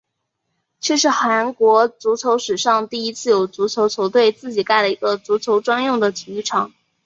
这是韩国足球史上第一次有足球球队自己盖了一个足球专用的体育场。